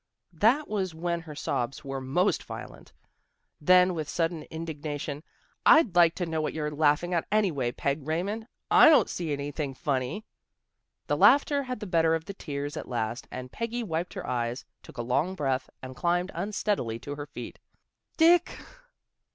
That was when her sobs were most violent. Then with sudden indignation: " I'd like to A DISAGREEMENT 229 know what you're laughing at anyway, Peg Raymond. / don't see anything funny." The laughter had the better of the tears at last and Peggy wiped her eyes, took a long breath, and climbed unsteadily to her feet. " Dick."